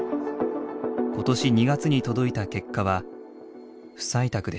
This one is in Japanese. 今年２月に届いた結果は不採択でした。